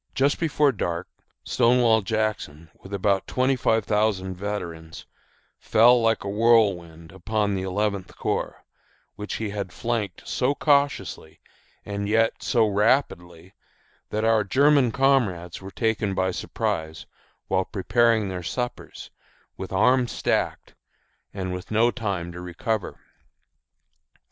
Just before dark Stonewall Jackson, with about twenty five thousand veterans, fell like a whirlwind upon the Eleventh Corps, which he had flanked so cautiously and yet so rapidly that our German comrades were taken by surprise while preparing their suppers, with arms stacked, and no time to recover.